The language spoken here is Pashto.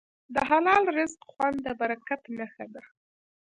د حلال رزق خوند د برکت نښه ده.